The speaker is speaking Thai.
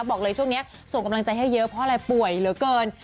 บอกเลยช่วงนี้ส่งกำลังใจให้เยอะเพราะอะไรป่วยเหลือเกิน